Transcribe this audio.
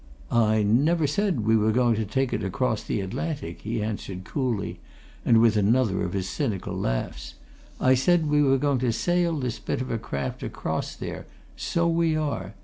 "I never said we were going to take it across the Atlantic," he answered coolly and with another of his cynical laughs. "I said we were going to sail this bit of a craft across there so we are.